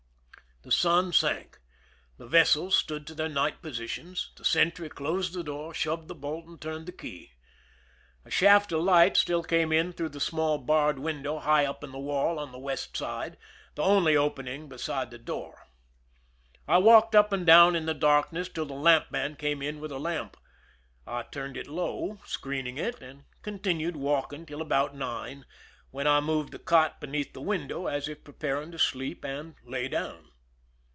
The sun sank; the vessels stood to their night positions; the sentry closed the door, shoved the bolt, and turned the key. A shaft of light still came in through the small barred window high up in the wall on the west side, the only opening besides the door. I walked up and down in the darkness till the lampman came in with a himp. I turned it low, screening it, and continued walking till about nine, when I moved the cot beneath the window, as if preparing to sleep, and lay down.